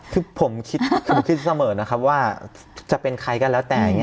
คือผมคิดผมคิดเสมอนะครับว่าจะเป็นใครก็แล้วแต่